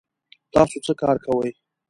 تاسو څه کار کوئ؟